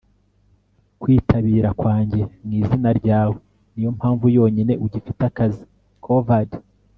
kwitabira kwanjye mu izina ryawe niyo mpamvu yonyine ugifite akazi. (corvard